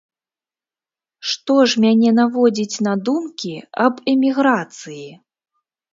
Што ж мяне наводзіць на думкі аб эміграцыі?